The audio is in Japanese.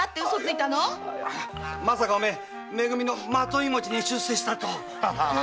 まさかめ組の纏持ちに出世したと？